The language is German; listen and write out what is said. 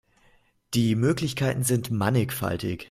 Die Möglichkeiten sind mannigfaltig.